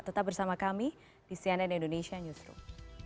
tetap bersama kami di cnn indonesia newsroom